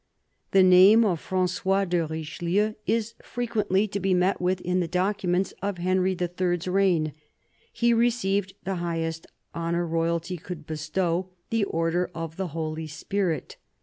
The name of Francois de Richelieu is frequently to be met with in the documents of Henry HI.'s reign. He received the highest honour Royalty could bestow, the Order of the Holy Spirit.